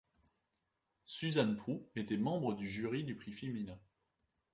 Suzanne Prou était membre du jury du prix Femina.